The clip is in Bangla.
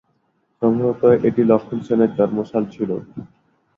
সম্ভবত এটি লক্ষ্মণ সেনের জন্ম সাল ছিল।